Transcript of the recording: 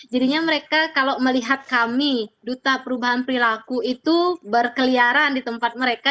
jadinya mereka kalau melihat kami duta perubahan perilaku itu berkeliaran di tempat mereka